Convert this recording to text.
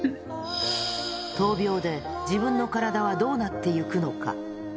闘病で自分の体はどうなっていくのか。